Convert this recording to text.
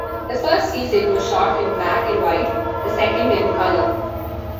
The first season was shot in black and white, the second in color.